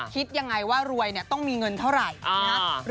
คิดยังไงว่ารวยเนี่ยต้องมีเงินเท่าไหร่นะ